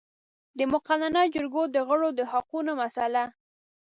د مقننه جرګو د غړو د حقونو مسئله